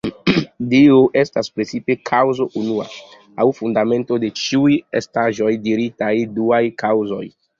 Dio estas precipe "kaŭzo unua", aŭ fundamento de ĉiuj estaĵoj diritaj "duaj kaŭzoj”.